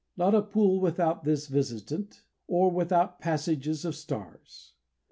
Not a pool without this visitant, or without passages of stars.